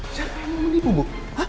siapa yang mau menipu bu